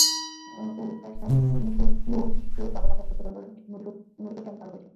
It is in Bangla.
ওগুরাসান নোরিকোর বাবা-মাকে আশ্বস্ত করে বললেন, নোরিকোকে আমি ভালো করে চিনি।